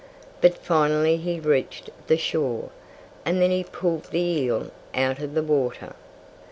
But finally he reached the shore. And then he pulled the eel out of the water.